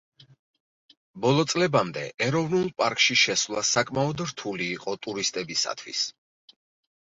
ბოლო წლებამდე, ეროვნულ პარკში შესვლა საკმაოდ რთული იყო ტურისტებისათვის.